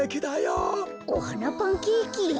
おはなパンケーキ？